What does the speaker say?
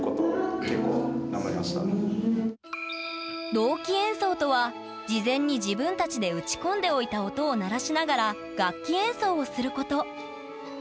同期演奏とは事前に自分たちで打ち込んでおいた音を鳴らしながら楽器演奏をすること。